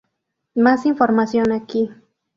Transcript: Más información aquí